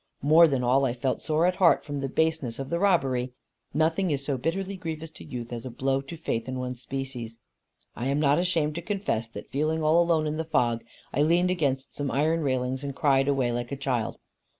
More than all I felt sore at heart from the baseness of the robbery. Nothing is so bitterly grievous to youth as a blow to faith in one's species. I am not ashamed to confess that feeling all alone in the fog, I leaned against some iron railings and cried away like a child.